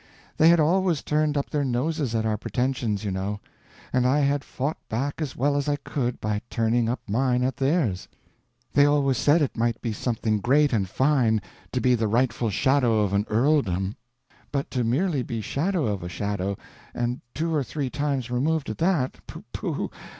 They had always turned up their noses at our pretentions, you know; and I had fought back as well as I could by turning up mine at theirs. They always said it might be something great and fine to be the rightful Shadow of an earldom, but to merely be shadow of a shadow, and two or three times removed at that—pooh pooh!